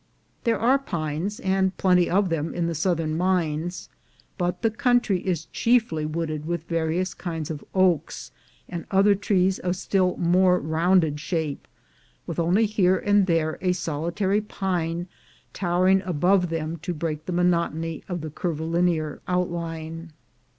There are pines, and plenty of them, in the southern mines, but the country is chiefly wooded with various kinds of oaks, and other trees of still more rounded shape, with only here and there a solitary pine towering above them to break the monotony of the curvilinear outline.